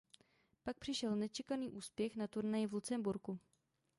Pak přišel nečekaný úspěch na turnaji v Lucemburku.